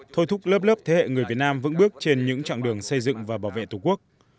thôi thúc lớp lớp thế hệ người việt nam vững bước trên những trạng đường xây dựng và bảo vệ tổ quốc